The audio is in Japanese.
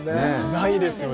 ないですよね。